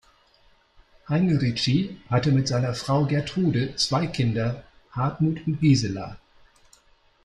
Heinrici hatte mit seiner Frau Gertrude zwei Kinder, Hartmut und Gisela.